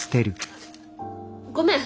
ごめん！